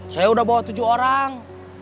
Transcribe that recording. saya sudah bawa tujuh orang